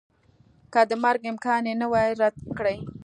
که د مرګ امکان یې نه وای رد کړی